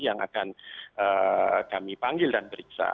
yang akan kami panggil dan periksa